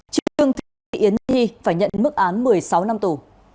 trương thị yến nhi phải nhận mức án một mươi sáu năm tù